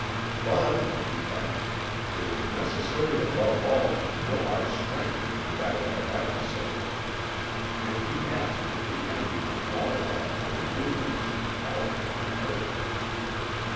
"But," he added, "it is necessary above all to know our strength and that of our adversary." And he asked if the enemies of Ialdabaoth were numerous and powerful on earth.